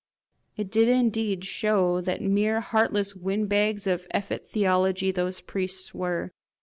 It did indeed show what mere heartless windbags of effete theology those priests were!